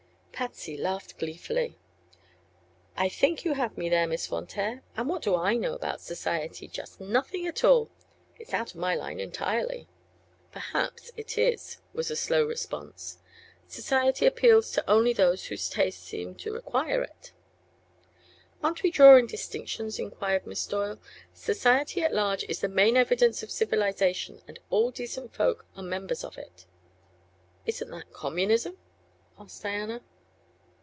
Patsy laughed gleefully. "I think you have me there, Miss Von Taer. And what do I know about society? Just nothing at all. It's out of my line entirely." "Perhaps it is," was the slow response. "Society appeals to only those whose tastes seem to require it." "And aren't we drawing distinctions?" enquired Miss Doyle. "Society at large is the main evidence of civilization, and all decent folk are members of it." "Isn't that communism?" asked Diana.